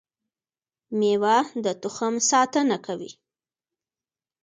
میوه د تخم ساتنه کوي